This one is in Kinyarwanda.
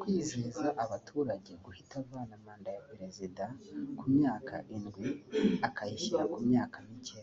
kwizeza abaturage guhita avana manda ya perezida ku myaka indwi akayishyira ku myaka mike